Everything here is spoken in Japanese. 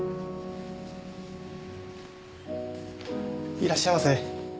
いらっしゃいませ。